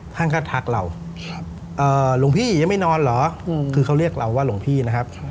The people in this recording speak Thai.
ท่านก็ทักเราหลวงพี่ยังไม่นอนเหรอคือเขาเรียกเราว่าหลวงพี่นะครับ